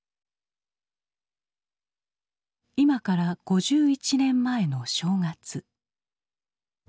今から５１年前の正月。